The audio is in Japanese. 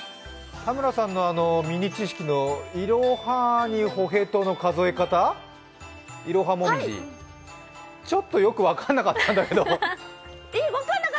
田村さんのミニ知識のいろはにほへとの数え方、イロハモミジ、ちょっとよく分かんなかったんだけど。